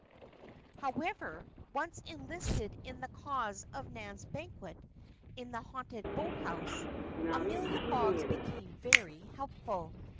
However, once enlisted in the cause of Nan's banquet in the haunted boathouse, Amelia Boggs became very helpful.